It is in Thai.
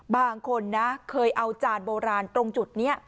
บางคนนะเคยเอาจานโบราณตรงจุดนี้